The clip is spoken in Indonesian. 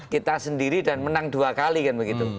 kita sendiri dan menang dua kali kan begitu